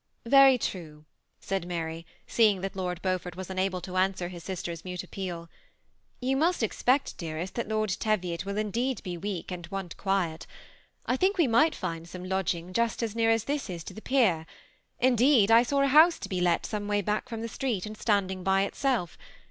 " Very true," said Mary, seeing that Lord Beaufort was unable to answer his sister's mute appeal. " You must expect, dearest, that Lord Teviot will indeed be weak and want quiet. I think we might find some lodging just as near as this is to the pier. Indeed, I saw a house to be let some way back from the street, and standing by itself.